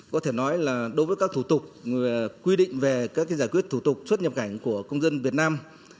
có thể nói là đối với các thủ tục quy định về các giải quyết thủ tục xuất nhập cảnh của công dân việt nam